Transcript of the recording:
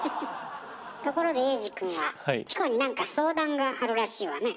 ところで衛二くんはチコになんか相談があるらしいわね。